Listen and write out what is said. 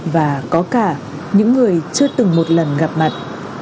và có cả những người chưa từng một lần gặp mặt